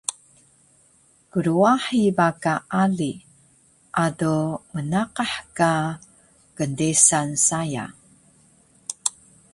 Krwahi ba ka ali, ado mnaqah ka kndesan saya